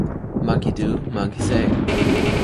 Monkey do, monkey say.